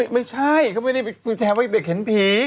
ไม่ใช่เค้าไม่ได้แชร์ไปเข็นภีร์